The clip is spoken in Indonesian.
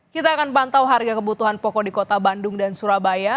kita akan pantau harga kebutuhan pokok di kota bandung dan surabaya